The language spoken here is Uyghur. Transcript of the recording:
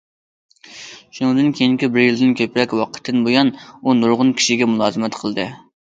شۇنىڭدىن كېيىنكى بىر يىلدىن كۆپرەك ۋاقىتتىن بۇيان، ئۇ نۇرغۇن كىشىگە مۇلازىمەت قىلدى.